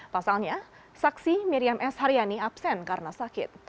pasalnya saksi miriam s haryani absen karena sakit